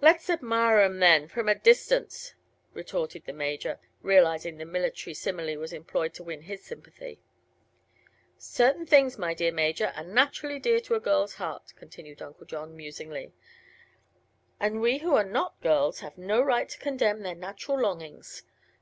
"Let's admire 'em, then from a distance," retorted the Major, realizing the military simile was employed to win his sympathy. "Certain things, my dear Major, are naturally dear to a girl's heart," continued Uncle John, musingly; "and we who are not girls have no right to condemn their natural longings.